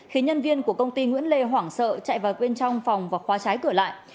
khiến nhân viên của công ty nguyễn lê hoảng sợ chạy vào bên trong phòng và khóa trái cửa lại